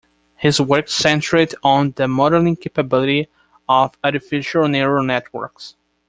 His work centred on the modelling capability of artificial neural networks.